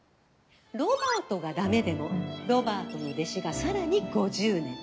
ロバートが駄目でもロバートの弟子がさらに５０年。